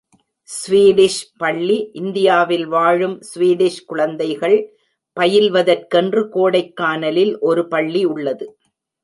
Swedish பள்ளி இந்தியாவில் வாழும் ஸ்வீடிஷ் குழந்தைகள் பயில்வதற்கென்று கோடைக்கானலில் ஒரு பள்ளி உள்ளது.